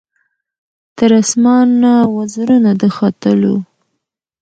تر اسمانه وزرونه د ختلو